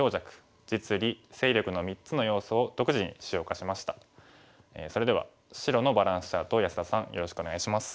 講座ではそれでは白のバランスチャートを安田さんよろしくお願いします。